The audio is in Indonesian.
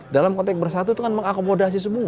dalam konteks bersatu itu kan mengakomodasi semua